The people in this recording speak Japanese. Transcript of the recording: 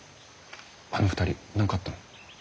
あの２人何かあったの？